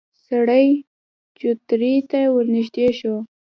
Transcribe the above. سړی چوترې ته ورنږدې شو.